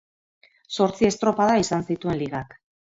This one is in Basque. Zortzi estropada izan zituen Ligak.